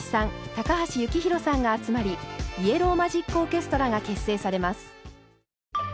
高橋幸宏さんが集まりイエロー・マジック・オーケストラが結成されます。